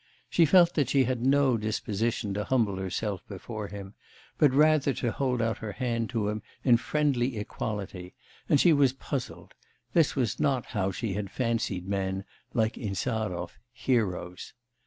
She felt that she had no disposition to humble herself before him, but rather to hold out her hand to him in friendly equality, and she was puzzled; this was not how she had fancied men, like Insarov, 'heroes.